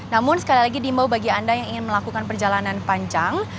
namun sekali lagi diimbau bagi anda yang ingin melakukan perjalanan panjang